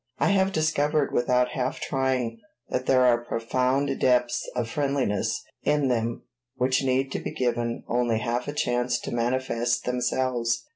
I have discovered without half trying that there are profound depths of friendliness in them which need to be given only half a chance to manifest themselves.